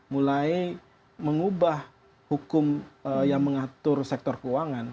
mulai mengubah hukum yang mengatur sektor keuangan